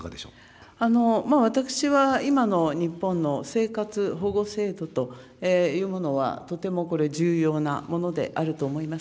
私は今の日本の生活保護制度というものは、とてもこれ、重要なものであると思います。